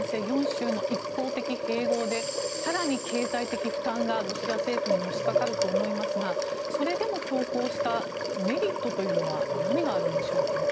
４州の一方的併合で更に経済的負担がロシア政府にのしかかると思いますがそれでも強行したメリットは何があるんでしょうか。